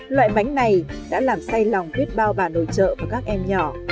loại bánh này đã làm say lòng biết bao bà nội trợ và các em nhỏ